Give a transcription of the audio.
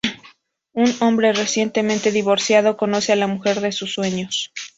Un hombre recientemente divorciado conoce a la mujer de sus sueños.